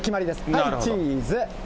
はい、チーズ。